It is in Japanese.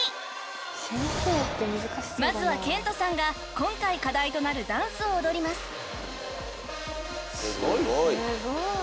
［まずはケントさんが今回課題となるダンスを踊ります］